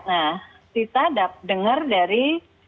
nah sita denger dari